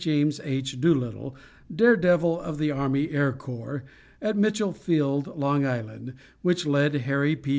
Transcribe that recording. James H. Doolittle, daredevil of the Army Air Corps, at Mitchel Field, L. I., which led Harry P.